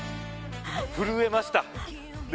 震えました。